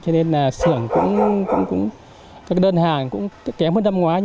cho nên sưởng của các đơn hàng cũng kém hơn năm ngoái